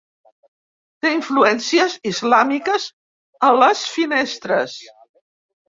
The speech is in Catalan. Té influències islàmiques a les finestres.